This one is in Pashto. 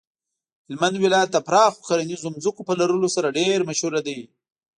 هلمند ولایت د پراخو کرنیزو ځمکو په لرلو سره ډیر مشهور دی.